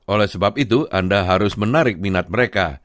oleh sebab itu anda harus menarik minat mereka